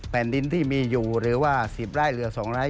แผ่นดินที่มีอยู่หรือว่า๑๐ไร่เหลือ๒ไร่